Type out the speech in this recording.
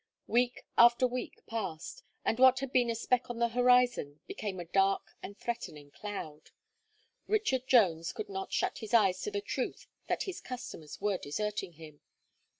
Week after week passed, and what had been a speck on the horizon, became a dark and threatening cloud. Richard Jones could not shut his eyes to the truth that his customers were deserting him.